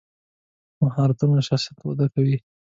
مهارت د شخصیت وده کوي.